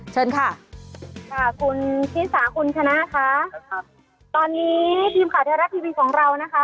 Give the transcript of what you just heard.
เชิญค่ะค่ะคุณชิสาคุณชนะค่ะครับตอนนี้ทีมข่าวไทยรัฐทีวีของเรานะคะ